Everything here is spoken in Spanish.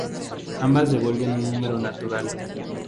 Ambas devuelven un número natural.